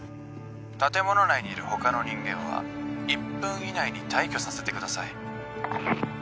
建物内にいる他の人間は１分以内に退去させてください